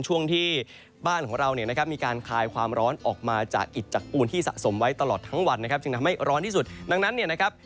ช่วงที่บ้านของเรามีการคายความร้อนออกมาจากอิดจากปุ่นที่สะสมไว้ตลอดทั้งวัน